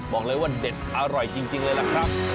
ก็ไม่ได้ว่าเด็ดอร่อยจริงเลยครับ